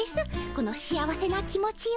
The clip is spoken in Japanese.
この幸せな気持ちを。